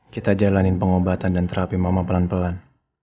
kita jalanin pengobatan dan terapi mama pelan pelan